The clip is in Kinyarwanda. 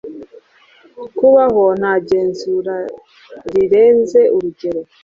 kubaho nta genzura birenze urugero